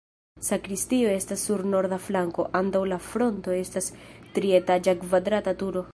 Sakristio estas sur norda flanko, antaŭ la fronto estas trietaĝa kvadrata turo.